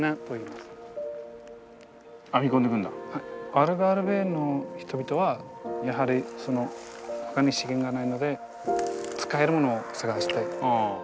アルガルヴェの人々はやはりほかに資源がないので使えるものを探して。